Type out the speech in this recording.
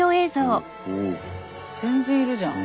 全然いるじゃん。